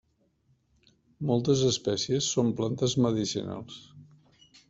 Moltes espècies són plantes medicinals.